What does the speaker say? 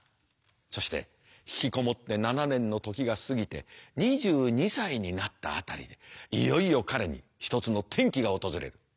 そして引きこもって７年の時が過ぎて２２歳になった辺りでいよいよ彼に一つの転機が訪れる。